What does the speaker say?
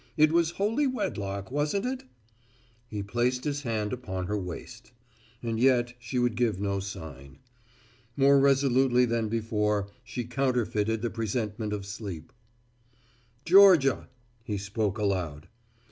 It was holy wedlock, wasn't it? He placed his hand upon her waist. And yet she would give no sign. More resolutely than before she counterfeited the presentment of sleep. "Georgia!" he spoke aloud.